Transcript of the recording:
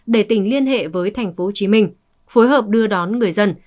để tỉnh liên hệ với tp hcm phối hợp đưa đón người dân